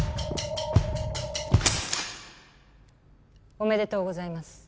おめでとうございます。